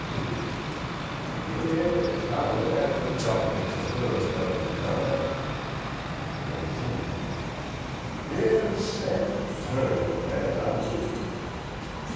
Green_ "Yes, I went aftuh Doctuh fuh her 'tuther night " Bro. Simmons "Here's Sandy Turner, as I live!"